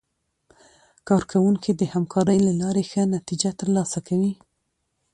کارکوونکي د همکارۍ له لارې ښه نتیجه ترلاسه کوي